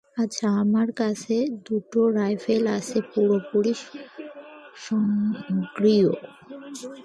আচ্ছা, আমার কাছে দুটো রাইফেল আছে, পুরোপুরি স্বয়ংক্রিয়।